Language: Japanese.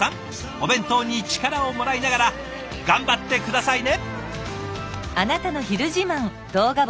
お弁当に力をもらいながら頑張って下さいね！